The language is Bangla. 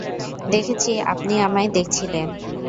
দেখেছি আপনি আমায় দেখছিলেন।